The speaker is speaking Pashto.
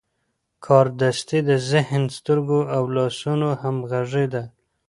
کاردستي د ذهن، سترګو او لاسونو همغږي ده.